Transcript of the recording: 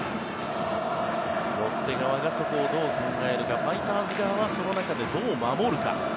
ロッテ側がそこをどう考えるかファイターズ側はその中でどう守るか。